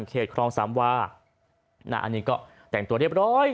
ครองสามวาอันนี้ก็แต่งตัวเรียบร้อย